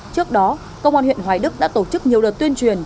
trước đó công an huyện hoài đức đã tổ chức nhiều đợt tuyên truyền